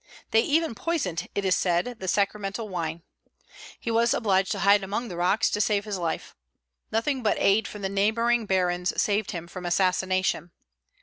They even poisoned, it is said, the sacramental wine. He was obliged to hide among the rocks to save his life. Nothing but aid from the neighboring barons saved him from assassination.